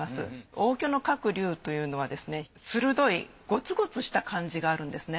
応挙の描く龍というのは鋭いゴツゴツした感じがあるんですね。